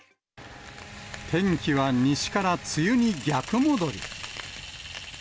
天気は西から梅雨に逆戻り。